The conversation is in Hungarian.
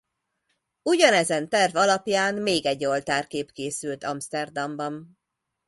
Ugyanezen terv alapján még egy oltárkép készült Amszterdamban.